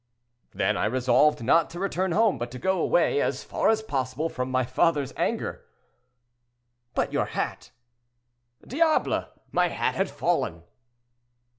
"Then I resolved not to return home, but to go away as far as possible from my father's anger." "But your hat?" "Diable! my hat had fallen."